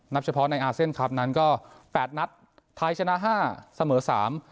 เฉพาะในอาเซียนคลับนั้นก็แปดนัดไทยชนะห้าเสมอสาม